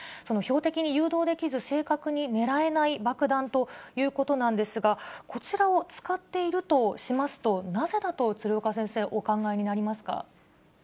その標的に誘導できず、正確に狙えない爆弾ということなんですが、こちらを使っているとしますと、なぜだと鶴岡先生、お考えになりますか？